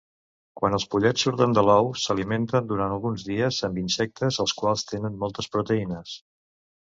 Quan els pollets surten de l'ou, s'alimenten durant alguns dies amb insectes, els quals tenen moltes proteïnes.